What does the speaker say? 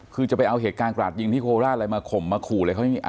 คือจะไปเอาเหตุการณ์กราดยิงที่โคราชอะไรมาข่มมาขู่อะไรเขา